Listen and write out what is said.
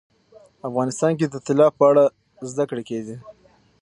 افغانستان کې د طلا په اړه زده کړه کېږي.